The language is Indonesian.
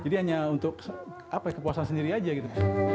jadi hanya untuk kepuasan sendiri aja gitu